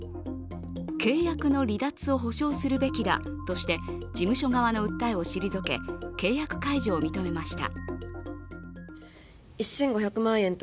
契約の離脱を保障するべきだとして、事務所側の訴えを退け契約解除を認めました。